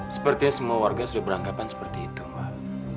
sepertinya semua warga sudah beranggapan seperti itu mbak